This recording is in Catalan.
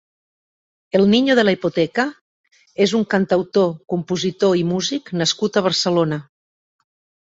El Niño de la Hipoteca és un cantautor, compositor i músic nascut a Barcelona.